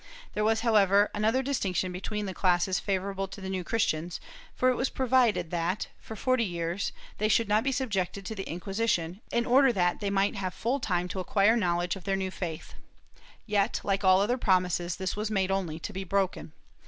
There was however another distinction between the classes favorable to the New Christians, for it was provided that, for forty years, they should not be subjected to the Inqui sition, in order that they might have full time to acquire knowledge of their new faith.^ Yet, like all other promises, this was made only to be broken.